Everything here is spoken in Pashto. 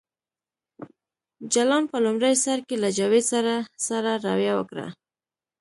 جلان په لومړي سر کې له جاوید سره سړه رویه وکړه